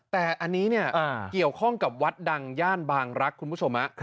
แต่อันนี้เนี่ยเกี่ยวข้องกับวัดดังย่านบางรักษ์คุณผู้ชม